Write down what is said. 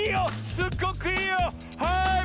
すっごくいいよ！